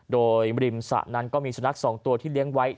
โดยริมสระนั้นก็มีสุนัขสองตัวที่เลี้ยงไว้